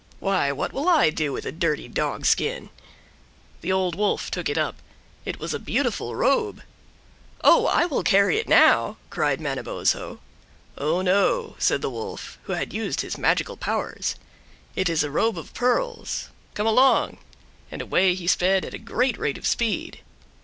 "Why, what will I do with a dirty dog skin?" The Old Wolf took it up; it was a beautiful robe. "Oh, I will carry it now," cried Manabozho. "Oh, no," said the Wolf, who had used his magical powers, "it is a robe of pearls. Come along!" And away he sped at a great rate of speed.